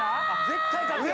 絶対勝つよ。